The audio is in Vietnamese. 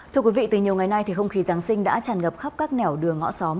thưa quý vị từ nhiều ngày nay thì không khí giáng sinh đã tràn ngập khắp các nẻo đường ngõ xóm